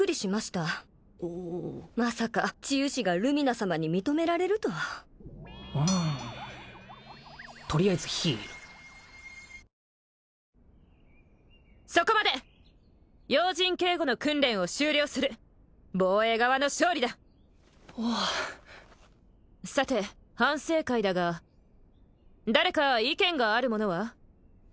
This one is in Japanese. たまさか治癒士がルミナ様に認められるとはうんとりあえずヒールそこまで要人警護の訓練を終了する防衛側の勝利ださて反省会だが誰か意見がある者は？